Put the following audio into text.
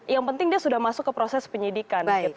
yang penting dia sudah masuk ke proses penyidikan